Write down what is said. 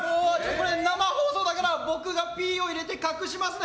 これ生放送だから僕がピーを入れて隠しますね。